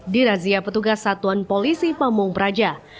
dirazia petugas satuan polisi pamung praja